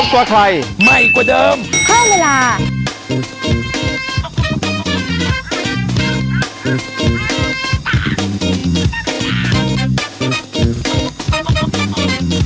กำลังกำลัง